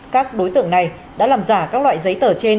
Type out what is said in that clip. các đối tượng này đã làm giả các loại giấy tờ trên